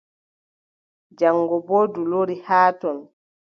Jaŋgo boo ndu lori haa ton.